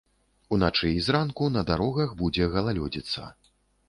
Уначы і зранку на дарогах будзе галалёдзіца.